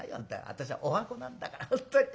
私のおはこなんだから本当に。